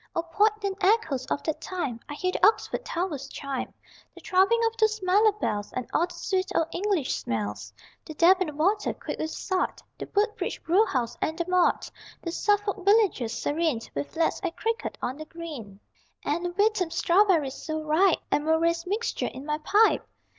O poignant echoes of that time! I hear the Oxford towers chime, The throbbing of those mellow bells And all the sweet old English smells The Deben water, quick with salt, The Woodbridge brew house and the malt; The Suffolk villages, serene With lads at cricket on the green, And Wytham strawberries, so ripe, And Murray's Mixture in my pipe!